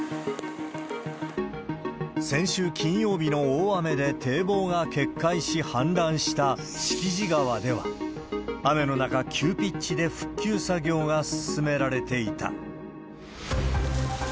先週金曜日の大雨で堤防が決壊し氾濫した敷地川では雨の中、急ピッチで復旧作業が進められていた。